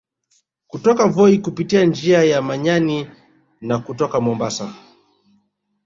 Kutoka Voi kupitia njia ya Manyani na kutoka Mombasa